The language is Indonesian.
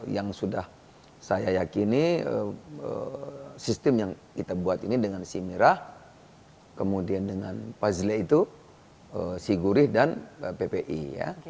yang sudah saya yakini sistem yang kita buat ini dengan si merah kemudian dengan puzle itu si gurih dan ppi ya